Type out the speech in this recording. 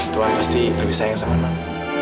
tuan pasti lebih sayang sama non